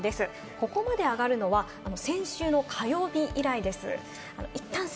ここまで上がるのは先週の火曜日以来です。